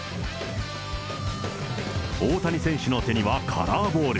大谷選手の手には、カラーボール。